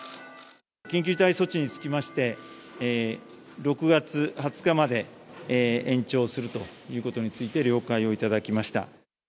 緊急事態措置につきまして、６月２０日まで延長するということについて了解を頂きました。